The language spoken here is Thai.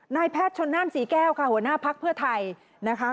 นายแพทย์ชนนั่นศรีแก้วค่ะหัวหน้าพักเพื่อไทยนะคะ